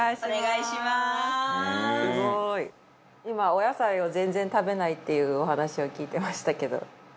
今お野菜を全然食べないっていうお話を聞いてましたけど。